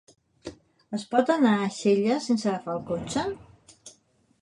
Es pot anar a Xella sense agafar el cotxe?